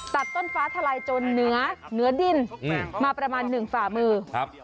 ตัดต้นฟ้าทะลายจนเนื้อดินมาประมาณ๑ฝ่ามือ